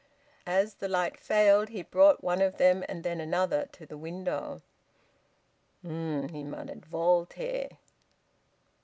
As the light failed, he brought one of them and then another to the window. "Um!" he muttered. "Voltaire!"